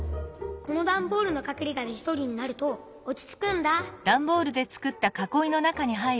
このだんボールのかくれがでひとりになるとおちつくんだ。